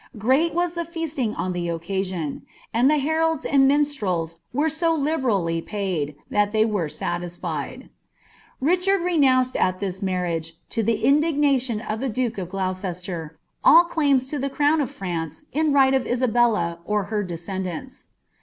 Great was the fe«sun#o«lbl occasion; and the heralds and minstreLs were so liberally paid, tut ihiv were satisfied. Richard renounced at this marriage (lo the indignaiioa of the doletf Gloucester, all claiuia to the crown of France in right of Igdalta m her desceiidanle.'